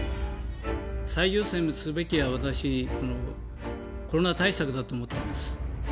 最優先にすべきは、私、コロナ対策だと思ってます。